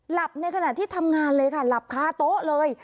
ในขณะที่ทำงานเลยค่ะหลับคาโต๊ะเลย